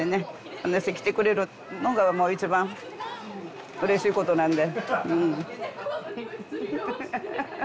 こんなして来てくれるのが一番うれしいことなんでうん。